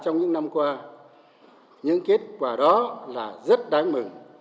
trong những năm qua những kết quả đó là rất đáng mừng